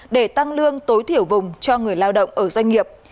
để tăng lương tối thiểu vùng cho người lao động ở doanh nghiệp